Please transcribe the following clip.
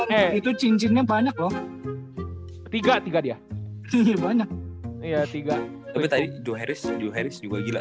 tapi itu cincinnya banyak loh tiga tiga dia banyak iya tiga tapi tadi juga gila